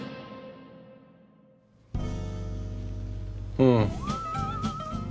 うん。